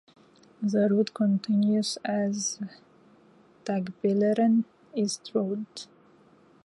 The route continues as Tagbilaran East Road.